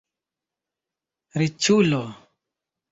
riĉulo